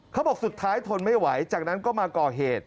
เขาบอกสุดท้ายทนไม่ไหวจากนั้นก็มาก่อเหตุ